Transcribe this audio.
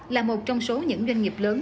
là một trong số những doanh nghiệp lớn